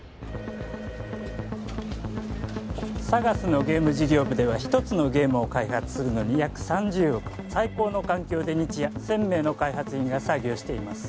ＳＡＧＡＳのゲーム事業部では一つのゲームを開発するのに約３０億最高の環境で日夜１０００名の開発員が作業しています